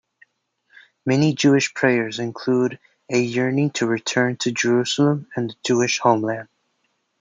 Many Jewish prayers include a yearning to return to Jerusalem and the Jewish homeland.